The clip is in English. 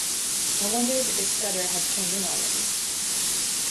I wondered if Scudder had turned in already.